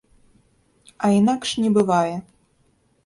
А інакш не бывае.